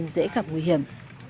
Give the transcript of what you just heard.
gặp nguy hiểm